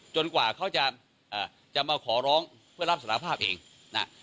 กว่าเขาจะมาขอร้องเพื่อรับสารภาพเองนะ